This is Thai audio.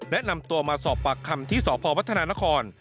และนำตัวมาสอบปากคำที่สพวัฒนานคร